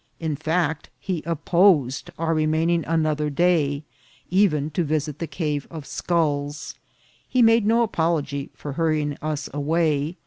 In fact, he opposed our remaining another day, even to visit the cave of sculls. He made no apology for hurrying us away.